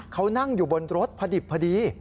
เขานั่งอยู่บนรถพอดิบพอดี